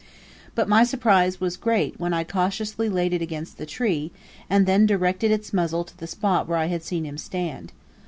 But my surprise was great when I cautiously laid it against the tree, and then directed its muzzle to the spot where I had seen him stand.